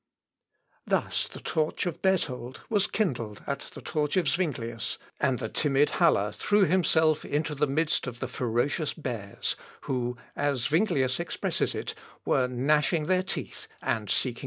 " Thus the torch of Berthold was kindled at the torch of Zuinglius, and the timid Haller threw himself into the midst of the ferocious bears, who, as Zuinglius expresses it, "were gnashing their teeth, and seeking to devour him."